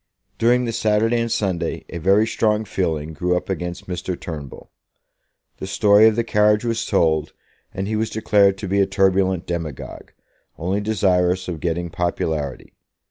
During the Saturday and Sunday a very strong feeling grew up against Mr. Turnbull. The story of the carriage was told, and he was declared to be a turbulent demagogue, only desirous of getting popularity.